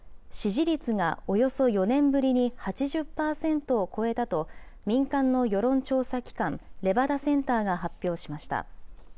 支持率がおよそ４年ぶりに８０％を超えたと、民間の世論調査機関、レバダセンターが発表しました。